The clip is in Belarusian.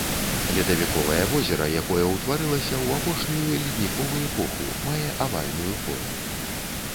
Ледавіковае возера, якое ўтварылася ў апошнюю ледніковы эпоху, мае авальную форму.